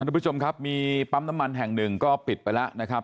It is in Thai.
ทุกผู้ชมครับมีปั๊มน้ำมันแห่งหนึ่งก็ปิดไปแล้วนะครับ